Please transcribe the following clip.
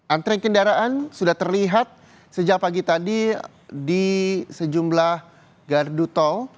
antre kendaraan sudah terlihat sejak pagi tadi di sejumlah gardu tol